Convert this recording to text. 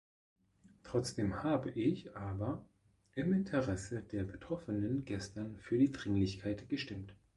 Trotzdem habe ich aber im Interesse der Betroffenen gestern für die Dringlichkeit gestimmt.